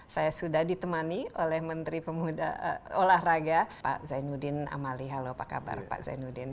saya sudah ditemani oleh menteri olahraga pak zainuddin amali halo apa kabar pak zainuddin